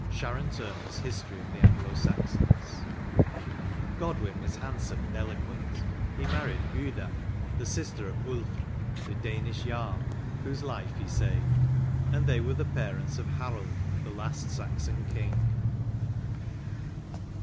— Sharon Turner's '^History of the Anglo Saxons J* Gt)dwin was handsome and eloquent : he married Gyda, the sister of Ulfr, the Danish Jarl, whose life he saved, and they were the parents of Harold, the last Saxon king.